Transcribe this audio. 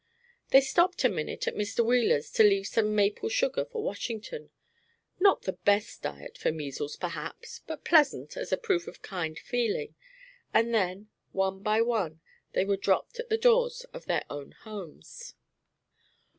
They stopped a minute at Mr. Wheeler's to leave some maple sugar for Washington, not the best diet for measles, perhaps, but pleasant as a proof of kind feeling, and then, one by one, they were dropped at the doors of their own homes.